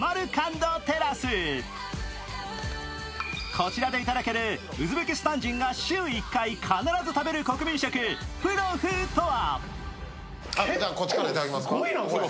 こちらでいただけるウズベキスタン二戸が週１回必ず食べる国民食プロフとは。